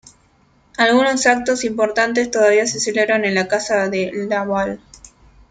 Algunos actos importantes todavía se celebran en la Casa de La Vall